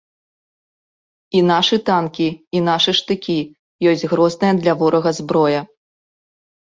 І нашы танкі, і нашы штыкі ёсць грозная для ворага зброя.